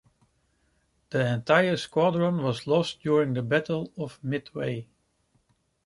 The entire squadron was lost during the Battle of Midway.